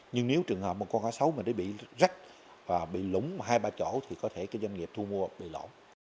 nhưng nếu trường hợp một con cá sấu mà nó bị rắc và bị lũng hai ba chỗ thì có thể cho doanh nghiệp thu mua bị lỗ